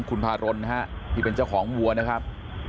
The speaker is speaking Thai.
คุณพารนนะฮะที่เป็นเจ้าของวัวนะครับ